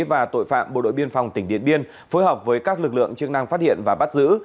và tội phạm bộ đội biên phòng tỉnh điện biên phối hợp với các lực lượng chức năng phát hiện và bắt giữ